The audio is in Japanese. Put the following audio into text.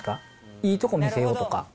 いいとこ見せようとか。